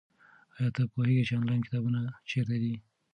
ایا ته پوهېږې چې انلاین کتابتونونه چیرته دي؟